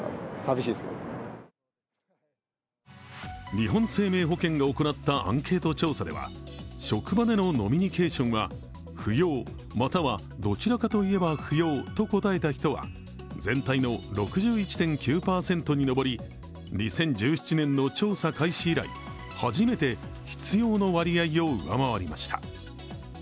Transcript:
日本生命保険が行ったアンケート調査では職場での飲みニケーションは「不要」または「どちらかといえば不要」と答えた人は全体の６１．９％に上り、２０１７年の調査開始以来初めて「必要」の割合を上回りました。